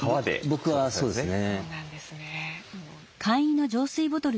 僕はそうですね。